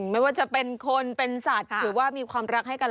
ไม่ว่าจะเป็นคนเป็นสัตว์หรือว่ามีความรักให้กัน